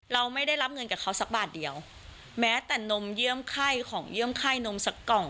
เราไม่ได้รับเงินกับเขาสักบาทเดียวแม้แต่นมเยี่ยมไข้ของเยี่ยมไข้นมสักกล่อง